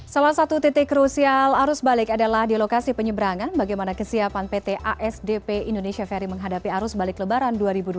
salah satu titik krusial arus balik adalah di lokasi penyeberangan bagaimana kesiapan pt asdp indonesia ferry menghadapi arus balik lebaran dua ribu dua puluh